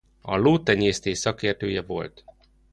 A lótenyésztés szakértője volt.